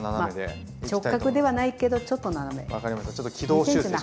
直角ではないけどちょっと斜めで。